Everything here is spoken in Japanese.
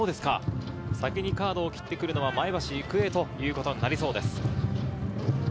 先にカードを切ってくるのは前橋育英ということになりそうです。